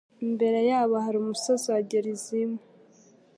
Imbere yabo hari umusozi wa Gerizimu.